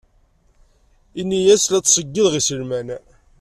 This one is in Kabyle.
Ini-as la ttṣeyyideɣ iselman.